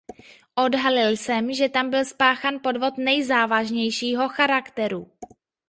Odhalil jsem, že tam byl spáchán podvod nejzávažnějšího charakteru.